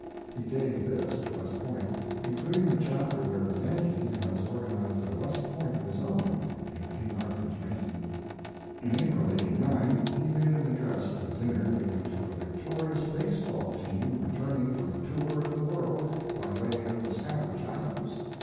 He gave this at West Point, including the chapter where the Yankee has organized a West Point of his own in King Arthur's reign. In April, '89, he made an address at a dinner given to a victorious baseball team returning from a tour of the world by way of the Sandwich Islands.